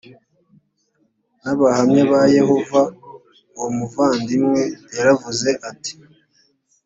n abahamya ba yehova uwo muvandimwe yaravuze ati